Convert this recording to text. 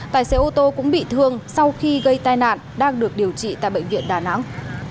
tài xế ô tô cũng bị thương sau khi gây tai nạn đang được điều trị tại bệnh viện đà nẵng